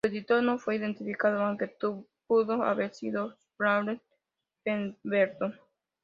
Su editor no fue identificado, aunque pudo haber sido Stafford Pemberton.